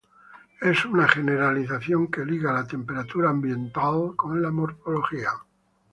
Es una generalización que liga la temperatura ambiental con la morfología.